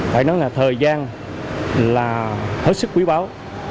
phải nói là thời gian là hết sức quý báo